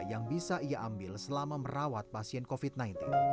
yang bisa ia ambil selama merawat pasien kofit sembilan belas mita mengaku berhasil menempah